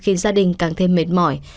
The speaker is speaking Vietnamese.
khiến gia đình càng thêm mệt mỏi